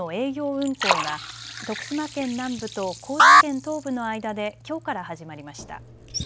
運行が徳島県南部と高知県東部の間できょうから始まりました。